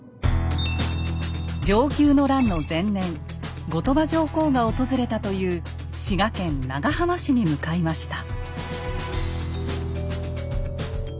承久の乱の前年後鳥羽上皇が訪れたという滋賀県長浜市に向かいました。